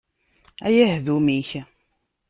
A yahdum-ik!